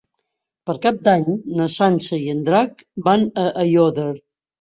Per Cap d'Any na Sança i en Drac van a Aiòder.